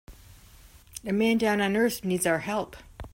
A man down on earth needs our help.